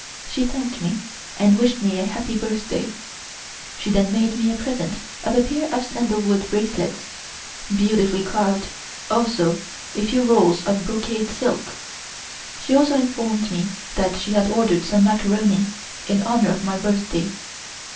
She thanked me and wished me a happy birthday. She then made me a present of a pair of sandalwood bracelets, beautifully carved, also a few rolls of brocade silk. She also informed me that she had ordered some macaroni in honor of my birthday.